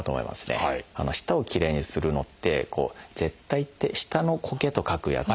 舌をきれいにするのって「舌苔」って「舌」の「苔」と書くやつ。